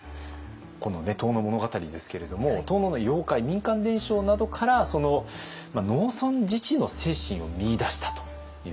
この「遠野物語」ですけれども遠野の妖怪民間伝承などから農村自治の精神を見いだしたという。